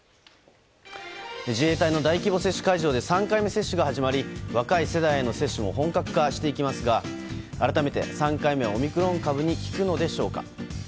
自衛隊の大規模接種会場で３回目接種が始まり若い世代への接種も本格化していきますが改めて３回目はオミクロン株に効くのでしょうか。